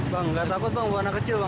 bang gak takut bang anak kecil bang